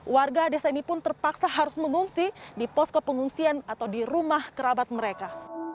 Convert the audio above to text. warga desa ini pun terpaksa harus mengungsi di posko pengungsian atau di rumah kerabat mereka